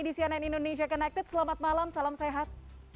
di cnn indonesia connected selamat malam salam sehat